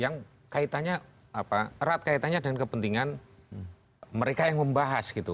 yang kaitannya erat kaitannya dengan kepentingan mereka yang membahas gitu